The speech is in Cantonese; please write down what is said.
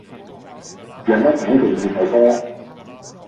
有乜版權問題啫